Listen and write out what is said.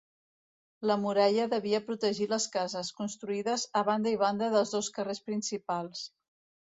La muralla devia protegir les cases, construïdes a banda i banda dels dos carrers principals.